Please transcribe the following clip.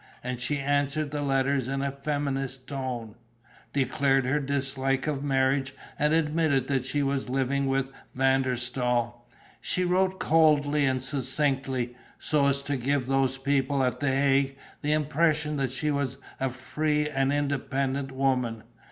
And she answered the letters in a feminist tone, declared her dislike of marriage and admitted that she was living with Van der Staal. She wrote coldly and succinctly, so as to give those people at the Hague the impression that she was a free and independent woman.